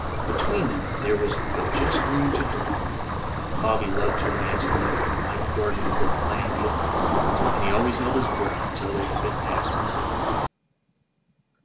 Between them there was but just room to drive. Bobby loved to imagine them as the mighty guardians of the land beyond, and he always held his breath until they had been passed in safety.